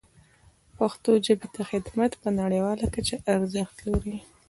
پښتو ژبې ته خدمت په نړیواله کچه ارزښت لري.